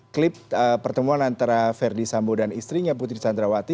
klip pertemuan antara verdi sambo dan istrinya putri candrawati